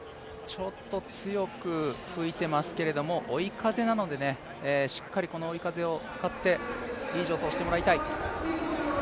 ちょっと強く吹いていますけど、追い風なのでしっかりこの追い風を使っていい助走をしてもらいたい。